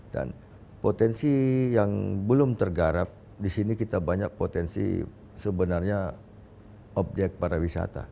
dan potensi yang belum tergarap di sini kita banyak potensi sebenarnya objek para wisata